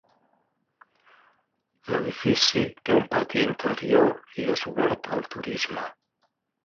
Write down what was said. L'edifici té un pati interior i és obert al turisme.